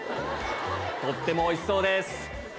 とってもおいしそうです。